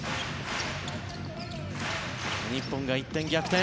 日本が１点逆転。